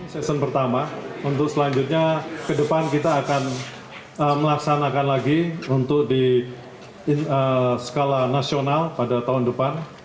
session pertama untuk selanjutnya ke depan kita akan melaksanakan lagi untuk di skala nasional pada tahun depan